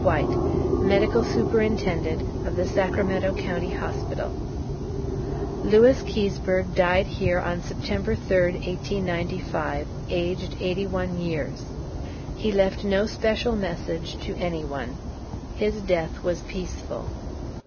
White, Medical Superintendent of the Sacramento County Hospital: Lewis Keseberg died here on September 3, 1895; aged 81 years. He left no special message to any one. His death was peaceful.